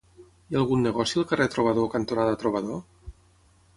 Hi ha algun negoci al carrer Trobador cantonada Trobador?